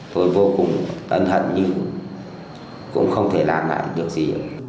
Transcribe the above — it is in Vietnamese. tôi vô cùng ân hận nhưng cũng không thể làm lại được gì